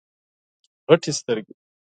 غټي سترګي